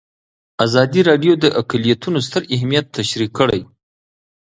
ازادي راډیو د اقلیتونه ستر اهميت تشریح کړی.